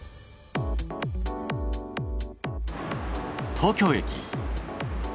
東京駅。